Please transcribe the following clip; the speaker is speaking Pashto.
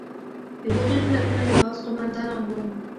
د هغوی پلرونه د پوځ قوماندانان وو.